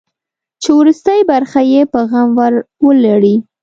چې وروستۍ برخه یې په غم ور ولړي.